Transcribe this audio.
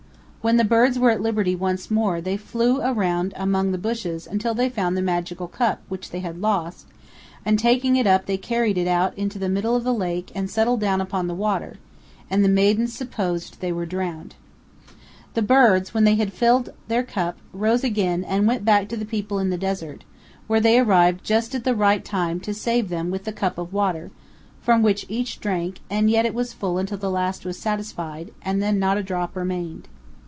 When the birds were at liberty once more they flew around among the bushes until they found the magical cup which they had lost, and taking it up they carried it out into the middle of the lake and settled down upon the water, and the maidens supposed they were drowned. powell canyons 191.jpg AN INTERIOR LODGE. The birds, when they had filled their cup, rose again and went back to the people in the desert, where they arrived just at the right time to save them with the cup of water, from which each drank; and yet it was full until the last was satisfied, and then not a drop remained.